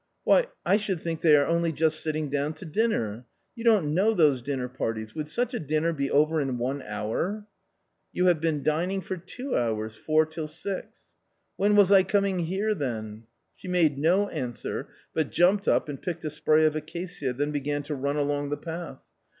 " Why, I should think they are only just sitting down to his dinner. You don't know those dinner parties; would such a dinner be over in one hour ?"" You have been dining for two hours — four till six." " When was I coming here then ?" She made no answer, but jumped up and picked a spray of acacia, then began to run along the path.